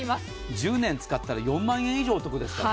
１０年使ったら４万円以上お得ですから。